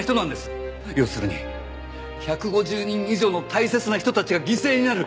要するに１５０人以上の大切な人たちが犠牲になる。